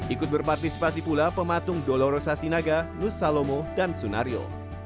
ikut berpartisipasi pula pematung dolorosa sinaga nus salomo dan sunario